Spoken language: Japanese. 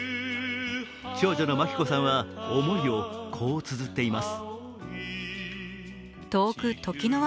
長女の摩紀子さんは思いをこうつづっています。